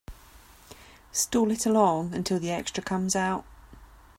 Stall it along until the extra comes out.